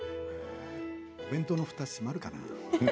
お弁当のふた閉まるかな？